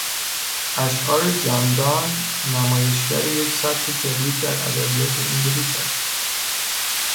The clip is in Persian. اشعار جانداننمایشگر یک سبک جدید در ادبیات انگلیس است.